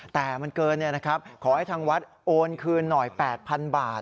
แต่มันเกินขอให้ทางวัดโอนคืนหน่อย๘๐๐๐บาท